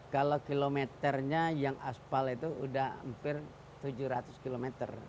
kalau kilometernya yang aspal itu sudah hampir tujuh ratus km